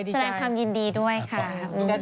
แสดงคำยินดีด้วยครับ